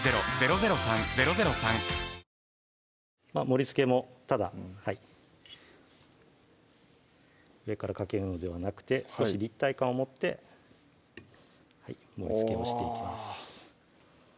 盛りつけもただ上からかけるのではなくて少し立体感を持って盛りつけをしていきます